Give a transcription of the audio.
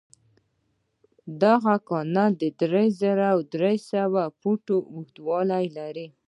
دغه کانال درې زره درې سوه فوټه اوږدوالی لري.